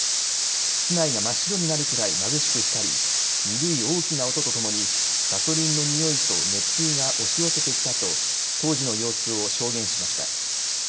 室内が真っ白になるくらいまぶしく光り鈍い大きな音とともにガソリンの臭いと熱風が押し寄せてきたと当時の様子を証言しました。